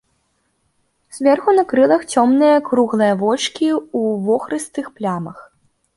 Зверху на крылах цёмныя круглыя вочкі ў вохрыстых плямах.